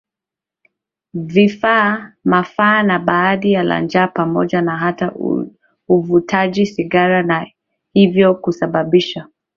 vita maafa na baa la njaa pamoja na hata uvutaji sigara na hivyo kusababisha